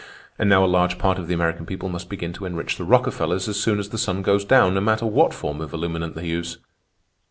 And now a large part of the American people must begin to enrich the Rockefellers as soon as the sun goes down, no matter what form of illuminant they use.